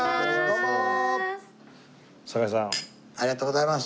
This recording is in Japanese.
ありがとうございます。